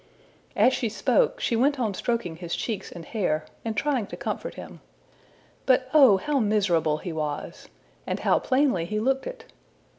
'' As she spoke, she went on stroking his cheeks and hair, and trying to comfort him. But oh how miserable he was! and how plainly he looked it!